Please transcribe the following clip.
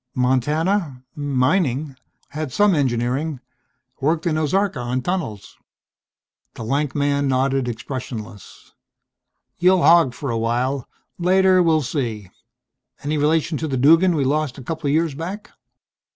"Montana mining. Had some engineering. Worked in Ozarka on tunnels." The lank man nodded, expressionless. "You'll hog for a while. Later we'll see.... Any relation to the Duggan we lost a couple of years back?"